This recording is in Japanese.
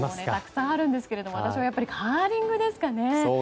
たくさんあるんですが私はやっぱりカーリングですね。